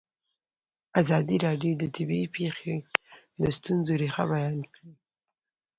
ازادي راډیو د طبیعي پېښې د ستونزو رېښه بیان کړې.